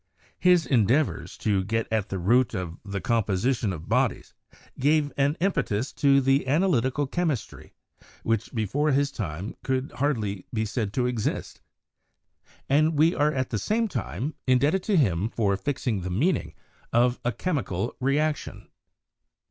His endeavors to get at the root of the compo sition of bodies gave an impetus to analytical chemistry, which before his time could hardly be said to exist; and we are at the same time indebted to him for ixing the THE EARLY PHLOGISTIC PERIOD 95 meaning of a "chemical reaction."